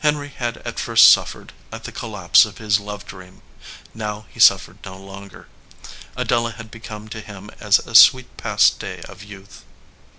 Henry had at first suffered at the collapse of his love dream. Now he suffered no longer. Adela had become to him as a sweet past day of youth.